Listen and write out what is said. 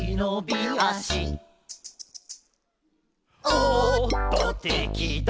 「おっとてきだ」